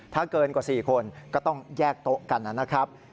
ถ้าเกินกว่า๔คนก็ต้องแยกโต๊ะกันนะครับ